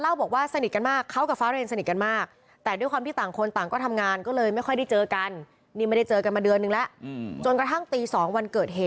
แล้วยังไม่ได้บอกร่วงทายด้วย